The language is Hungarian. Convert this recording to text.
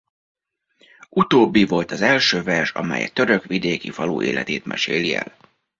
Utóbbi volt az első vers amely egy török vidéki falu életét meséli el.